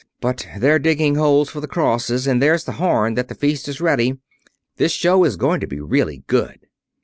But they're digging holes for the crosses and there's the horn that the feast is ready. This show is going to be really good."